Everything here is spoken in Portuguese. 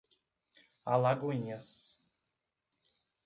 Alagoinhas